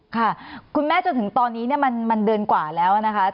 ค่ะคุณแม่จนถึงตอนนี้มันเดือนกว่าแล้วนะคะ